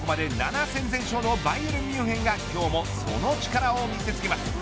ここまで７戦全勝のバイエルンミュンヘンが今日もその力を見せつけます。